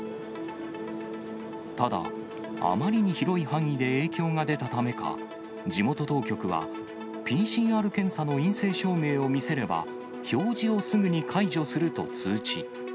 ただ、あまりに広い範囲で影響が出たためか、地元当局は、ＰＣＲ検査の陰性証明を見せれば、表示をすぐに解除すると通知。